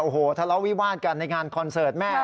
โอ้โหทะเลาะวิวาดกันในงานคอนเสิร์ตแม่